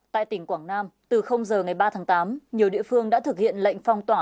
tại tỉnh quảng nam từ giờ ngày ba tháng tám nhiều địa phương đã thực hiện lệnh phong tỏa